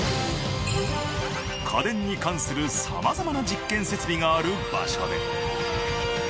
家電に関する様々な実験設備がある場所で。